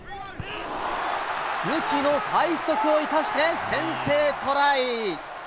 武器の快足を生かして先制トライ。